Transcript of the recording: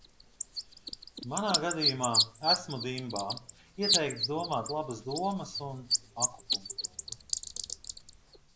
Manā gadījumā, esmu dimbā, ieteikts domāt labas domas un akupunktūru.